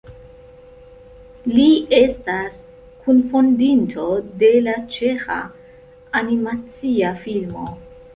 Li estas kunfondinto de la Ĉeĥa Animacia Filmo.